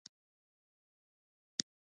د زعفرانو ګل پاڼې څه وکړم؟